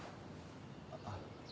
あっ。